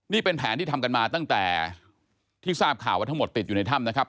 นี่เป็นแผนที่ทำกันมาตั้งแต่ที่ทราบข่าวว่าทั้งหมดติดอยู่ในถ้ำนะครับ